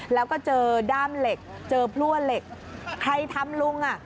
แล้วก็เจอด้ามเหล็กเจอพลั่วเหล็กใครทำลุงอ่ะ